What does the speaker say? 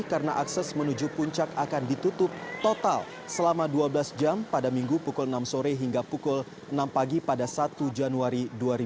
karena akses menuju puncak akan ditutup total selama dua belas jam pada minggu pukul enam sore hingga pukul enam pagi pada satu januari dua ribu delapan belas